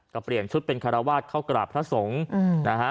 ก็เปลี่ยนชุดเป็นคารวาสเข้ากราบพระสงฆ์นะฮะ